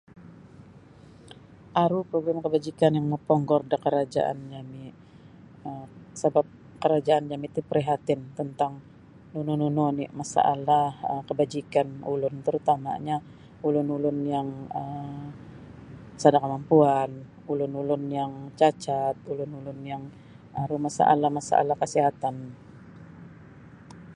Aru progrim kabajikan yang moponggor da karajaan jami' um sabap karajaan jami' ti prihatin tentang nunu-nunu oni' masalah um kabajikan ulun tarutamanyo ulun-ulun yang um sada' kamampuan ulun-ulun yang cacat ulun-ulun yang aru masalah-masalah kasihatan.